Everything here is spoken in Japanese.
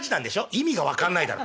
「意味が分かんないだろ。